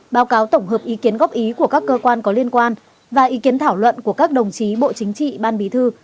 báo cáo tổng hợp ý kiến góp ý của các cơ quan có liên quan và ý kiến thảo luận của các đồng chí bộ chính trị ban bí thư